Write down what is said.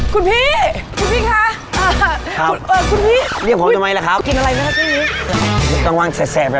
ครับผมดินล้างบาง